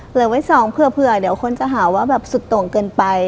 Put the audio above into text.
เหลือไว้สองเผื่อเดี๋ยวคนจะหาว่าแบบสุดโต่งเกินไป